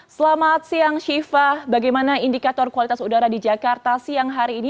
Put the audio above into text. selamat siang shiva bagaimana indikator kualitas udara di jakarta siang hari ini